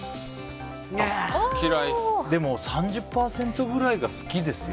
でも３０％ぐらいが好きですよ。